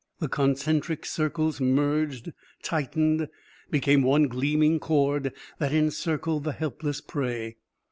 The concentric circles merged tightened became one gleaming cord that encircled the helpless prey.